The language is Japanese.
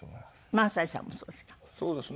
萬斎さんもそうですか？